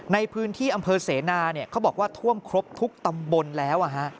ในพื้นที่อำเภอเสนาเขาบอกว่าท่วมครบทุกตำบลแล้ว